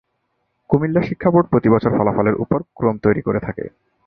কুমিল্লা শিক্ষা বোর্ড প্রতি বছর ফলাফলের উপর ক্রম তৈরি করে থাকে।